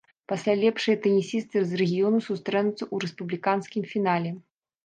Пасля лепшыя тэнісісты з рэгіёнаў сустрэнуцца ў рэспубліканскім фінале.